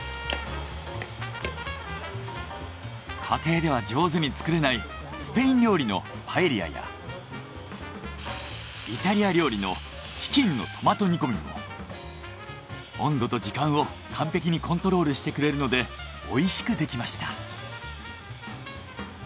家庭では上手に作れないスペイン料理のパエリアやイタリア料理のチキンのトマト煮込みも温度と時間を完璧にコントロールしてくれるのでおいしくできました。